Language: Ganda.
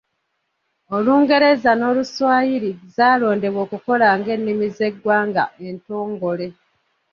Olungereza n'Oluswayiri zaalondebwa okukola nga ennimi z'eggwanga entongole.